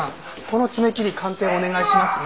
この爪切り鑑定お願いしますね。